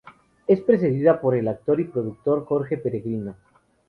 Es presidida por el actor y productor Jorge Peregrino.